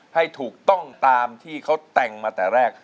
ให้ถูกต้องตามที่เขาแต่งมาแต่แรก